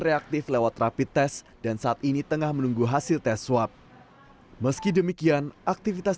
reaktif lewat rapid test dan saat ini tengah menunggu hasil tes swab meski demikian aktivitas